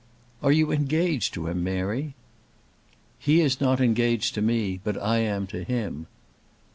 "Are you engaged to him, Mary?" "He is not engaged to me; but I am to him."